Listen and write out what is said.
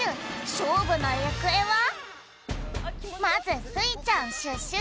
しょうぶのゆくえは⁉まずスイちゃん＆シュッシュチーム。